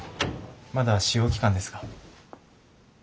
まだ試用期間ですが。